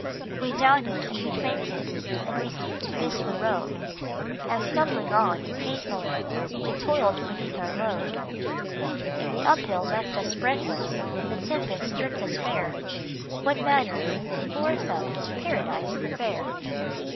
We doubted and we fainted, and we seemed to miss the road As, stumbling on and painfully, we toiled beneath our load; A PARADISE SONG 157 And the uphill left us breathless, and the tempest stripped us bare; What matter, since they bore us up to Paradise the Fair?